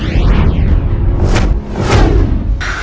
jadi ayah juga tidak tahu